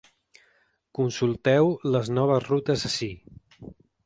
Consulteu les noves rutes ací.